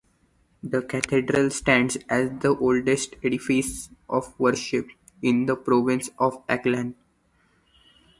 The cathedral stands as the oldest edifice of worship in the province of Aklan.